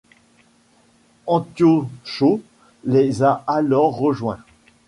Antiochos les a alors rejoint.